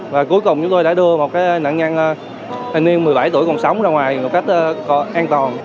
và cuối cùng chúng tôi đã đưa một nạn nhân thanh niên một mươi bảy tuổi còn sống ra ngoài một cách an toàn